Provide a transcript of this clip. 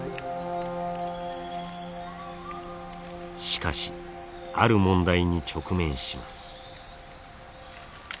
しかしある問題に直面します。